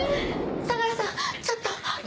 相良さんちょっと！